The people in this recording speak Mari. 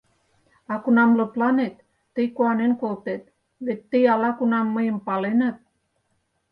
— А кунам лыпланет, тый куанен колтет: вет тый ала-кунам мыйым паленат.